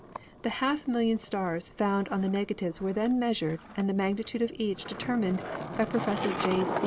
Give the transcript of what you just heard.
The half million stars found on the negatives were then measured and the magnitude of each determined by Professor J.